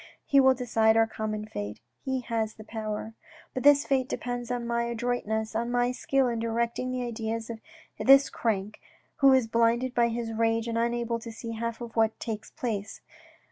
He will decide our common fate. He has the power. But this fate depends on my adroitness, on my skill in directing the ideas of this crank, who is blinded by his rage and unable to see half of what takes place.